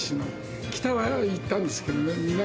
北は行ったんですけどね。